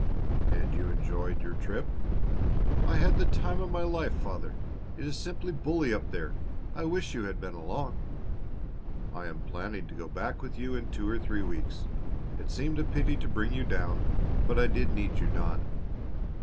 "And you enjoyed your trip?" "I had the time of my life, father! It is simply bully up there. I wish you had been along." "I am planning to go back with you in two or three weeks. It seemed a pity to bring you down, but I did need you, Don.